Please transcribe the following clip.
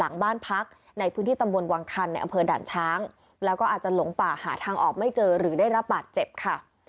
หลังบ้านพักในพื้นที่ตำบลวังคันในอำเภอด่านช้างแล้วก็อาจจะหลงป่าหาทางออกไม่เจอหรือได้รับบาดเจ็บค่ะ